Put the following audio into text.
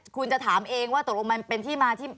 คุณจะถามเองว่าตกลงมันเป็นที่มาที่